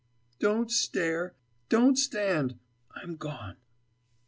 _" "Don't stare don't stand I'm gone."